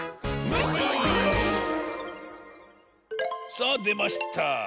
さあでました！